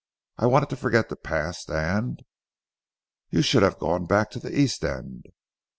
I wanted to forget the past, and" "You should have gone back to the East End."